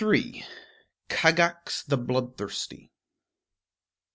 III. KAGAX THE BLOODTHIRSTY.